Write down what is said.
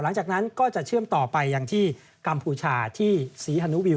หลังจากนั้นก็จะเชื่อมต่อไปอย่างที่กัมพูชาที่ศรีฮานุวิว